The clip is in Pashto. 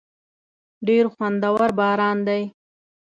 ډېر خوندور باران دی.